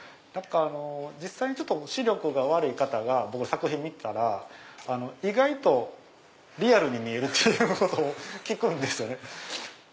実際に視力が悪い方が僕の作品見たら意外とリアルに見えるっていうことを聞くんですよね。